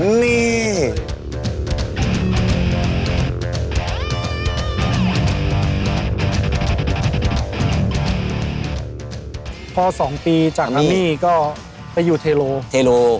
พอ๒ปีจากนามี่ก็ไปอยู่เทโล